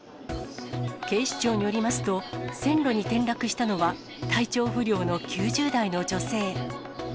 警視庁によりますと、線路に転落したのは、体調不良の９０代の女性。